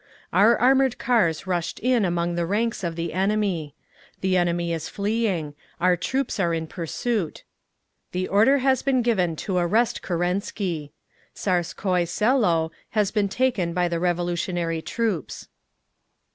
Our armoured cars rushed in among the ranks of the enemy. The enemy is fleeing. Our troops are in pursuit. The order has been given to arrest Kerensky. Tsarskoye Selo has been taken by the revolutionary troops.